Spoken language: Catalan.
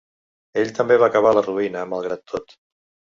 Ell també va acabar a la ruïna, malgrat tot.